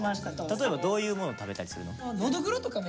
例えばどういうもの食べたりするの？